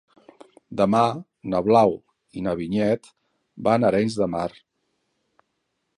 Demà na Blau i na Vinyet van a Arenys de Mar.